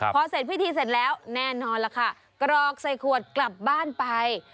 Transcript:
พอเสร็จพิธีเสร็จแล้วแน่นอนล่ะค่ะกรอกใส่ขวดกลับบ้านไป